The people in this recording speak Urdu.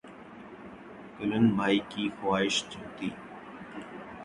کلن بھائی کی خواہش جوتی